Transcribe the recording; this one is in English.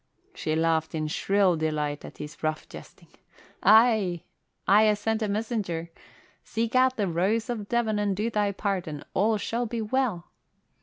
She laughed in shrill delight at his rough jesting. "Aye, I ha' sent a messenger. Seek out the Rose of Devon and do thy part, and all shall be well."